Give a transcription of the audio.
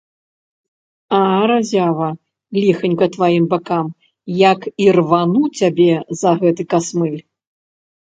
А, разява, ліханька тваім бакам, як ірвану цябе за гэты касмыль!